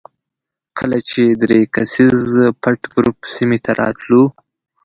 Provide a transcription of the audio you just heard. کله چې درې کسیز پټ ګروپ سیمې ته راتلو.